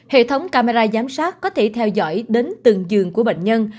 hệ thống camera giám sát có thể theo dõi đến từng giường của bệnh nhân